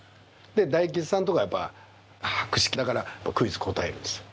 大吉さんとかはやっぱ博識だからクイズ答えるんです。